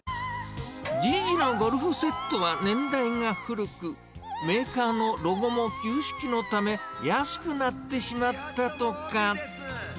じいじのゴルフセットは年代が古く、メーカーのロゴも旧式のため、安くなってしまったとか。